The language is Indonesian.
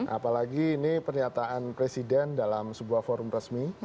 apalagi ini pernyataan presiden dalam sebuah forum resmi